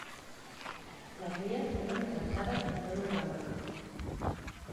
Las vías fueron levantadas en todo el ramal.